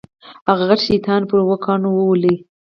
هغه غټ شیطان پر اوو کاڼو وولې.